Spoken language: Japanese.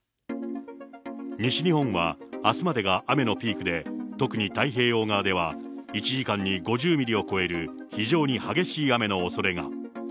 西日本はあすまでが雨のピークで、特に太平洋側では１時間に５０ミリを超える非常に激しい雨のおそれが。